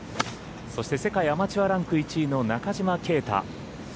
そして世界アマチュアランク１位の中島啓太。